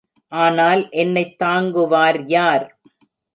ஆனால் என்னைத் தாங்குவார் யார்?